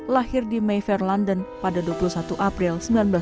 lahir di meiver london pada dua puluh satu april seribu sembilan ratus sembilan puluh